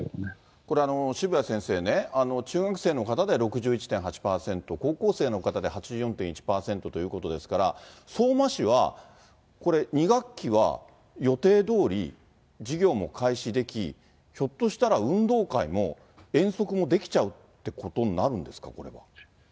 これ、渋谷先生ね、中学生の方で６１．８％、高校生の方で８４．１％ということですから、相馬市はこれ、２学期は予定どおり授業も開始でき、ひょっとしたら運動会も遠足もできちゃうってことになるんですか、これは。